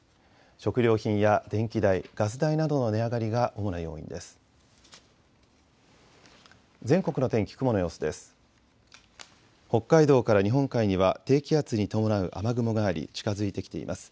食料品や電気代・ガス代などの値上がりが主な要因です。